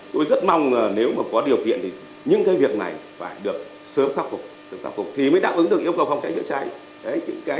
tôi rất mong nếu có điều kiện những việc này phải được sớm khắc phục thì mới đạo ứng được yêu cầu phòng cháy chữa cháy